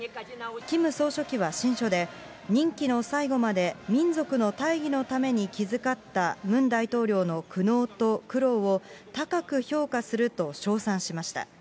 キム総書記は親書で、任期の最後まで、民族の大義のために気遣ったムン大統領の苦悩と苦労を、高く評価すると称賛しました。